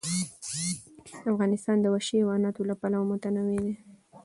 افغانستان د وحشي حیواناتو له پلوه متنوع دی.